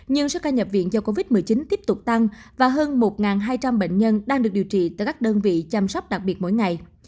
nhưng số ca nhập viện do covid một mươi chín tiếp tục tăng và hơn một hai trăm linh bệnh nhân đang được điều trị tại các đơn vị chăm sóc đặc biệt mỗi ngày